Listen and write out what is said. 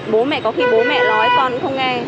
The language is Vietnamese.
bố mẹ có khi bố mẹ nói con cũng không nghe